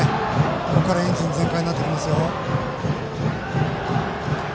ここからエンジン全開になってきますよ。